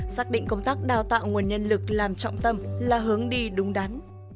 xác định công tác đào tạo nguồn nhân lực làm trọng tâm là hướng đi đúng đắn